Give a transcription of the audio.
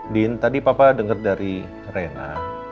din tadi papa denger dari reina